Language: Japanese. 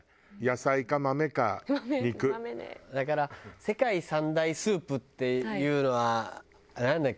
だから世界三大スープっていうのはなんだっけ？